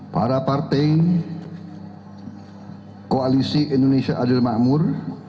para partai koalisi indonesia adil makmur